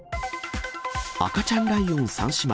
赤ちゃんライオン３姉妹。